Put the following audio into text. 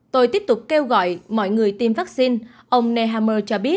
tôi tiếp tục kêu gọi mọi người tiêm vaccine ông nehammer cho biết